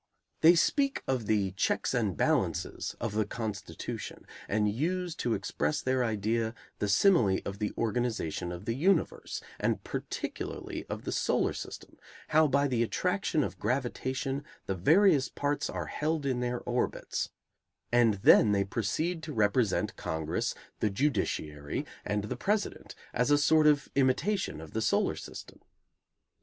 They speak of the "checks and balances" of the Constitution, and use to express their idea the simile of the organization of the universe, and particularly of the solar system, how by the attraction of gravitation the various parts are held in their orbits; and then they proceed to represent Congress, the Judiciary, and the President as a sort of imitation of the solar system.